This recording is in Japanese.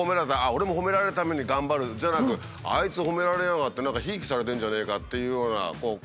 俺もほめられるために頑張るじゃなくあいつほめられやがって何かひいきされてんじゃねえかっていうようなこうやってなるから。